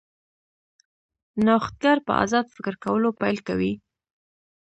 نوښتګر په ازاد فکر کولو پیل کوي.